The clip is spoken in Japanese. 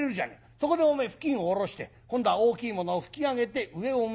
そこでおめえ布巾を下ろして今度は大きいものを拭き上げて上を向ける。